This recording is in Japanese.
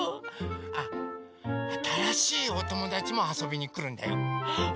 あっあたらしいおともだちもあそびにくるんだよウフフ。